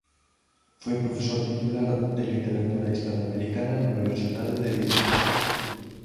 Foi profesor titular de Literatura Hispanoamericana na Universidade de Vigo.